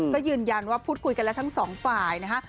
ก็ยืนยันว่าพูดคุยกันแล้วทั้งสองฝ่ายนะฮะ